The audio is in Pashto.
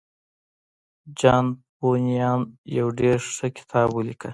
جان بونيان يو ډېر ښه کتاب وليکه.